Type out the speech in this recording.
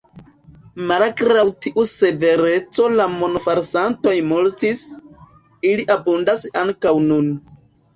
Malgraŭ tiu severeco la monfalsantoj multis; ili abundas ankaŭ nun.